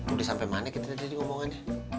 udah sampai mana kita tadi ngomongan